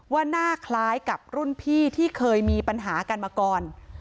ว่าหน้าคล้ายกับรุ่นพี่ที่เคยมีปัญหากันมาก่อน